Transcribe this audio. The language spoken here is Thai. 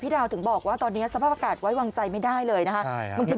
ดาวถึงบอกว่าตอนนี้สภาพอากาศไว้วางใจไม่ได้เลยนะคะ